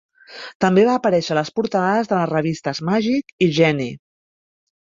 També va aparèixer a les portades de les revistes "Magic" i "Genii".